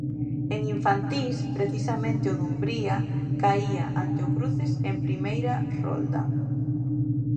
En infantís, precisamente o Dumbría caía ante o Cruces en primeira rolda.